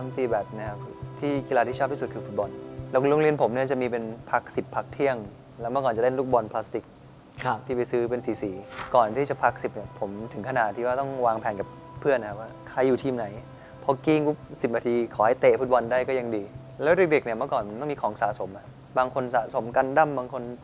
แต่เล่นฟุตบอลเนี่ยชอบเล่นเองไม่ได้เรียนฟุตบอลนะครับ